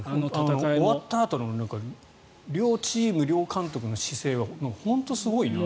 終わったあとの両チーム、両監督の姿勢は本当にすごいなと。